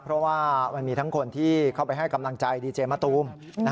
เพราะว่ามันมีทั้งคนที่เข้าไปให้กำลังใจดีเจมะตูม